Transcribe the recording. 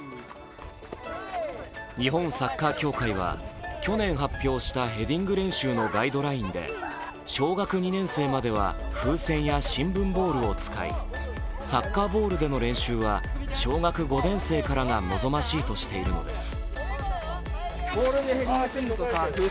日本サッカー協会は去年発表したヘディング練習のガイドラインで小学２年生までは風船や新聞ボールを使いサッカーボールでの練習は小学５年生からが望ましいとしているのです。